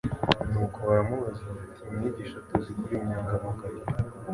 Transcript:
nuko baramubaza bati : "Mwigisha tuzi ko uri inyangamugayo